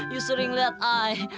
you sering liat i